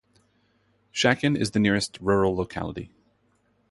Shakin is the nearest rural locality.